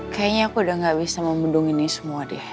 kayaknya aku udah enggak bisa membedungin ini semua deh